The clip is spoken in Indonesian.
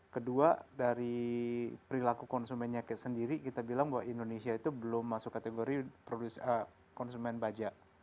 kedua dari perilaku konsumennya sendiri kita bilang bahwa indonesia itu belum masuk kategori konsumen baja